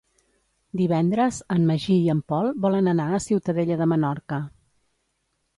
Divendres en Magí i en Pol volen anar a Ciutadella de Menorca.